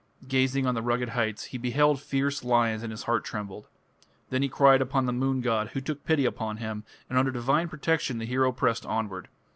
Gazing on the rugged heights, he beheld fierce lions and his heart trembled. Then he cried upon the moon god, who took pity upon him, and under divine protection the hero pressed onward.